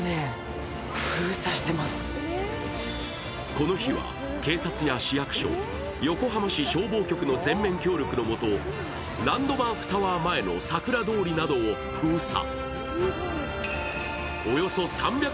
この日は警察や市役所、横浜市消防局の全面協力のもとランドマークタワー前のさくら通りなどを封鎖。